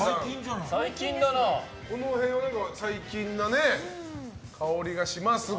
この辺は最近な香りがしますが。